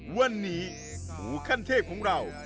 วันนี้หมูขั้นเทพของเรา